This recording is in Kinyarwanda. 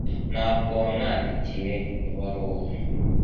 ntabwo wamwandikiye ibaruwa